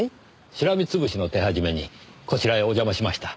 しらみ潰しの手始めにこちらへお邪魔しました。